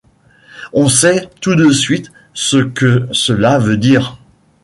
On sait tout de suite ce que cela veut dire.